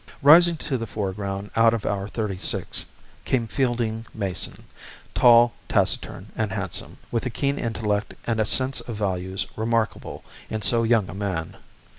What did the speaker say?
Rising to the foreground out of our thirty six, came Fielding Mason, tall, taciturn, and handsome, with a keen intellect and a sense of values remarkable in so young a man.